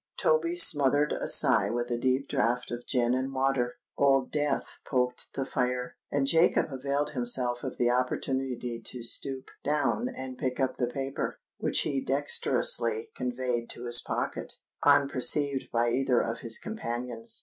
Toby smothered a sigh with a deep draught of gin and water;—Old Death poked the fire; and Jacob availed himself of the opportunity to stoop down and pick up the paper, which he dexterously conveyed to his pocket, unperceived by either of his companions.